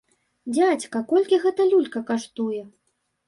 Дзядзька, колькі гэта люлька каштуе?